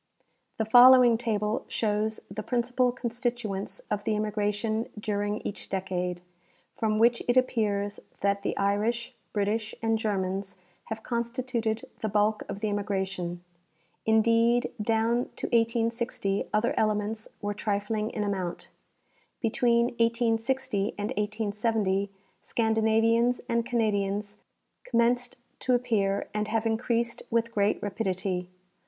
The following table shows the principal constituents of the immigration during each decade, from which it appears that the Irish, British and Germans have constituted the bulk of the immigration. Indeed, down to 1860 other elements were trifling in amount. Between 1860 and 1870 Scandinavians and Canadians commenced to appear and have increased with great rapidity.